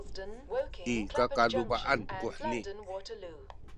i kakaduba’an kuheni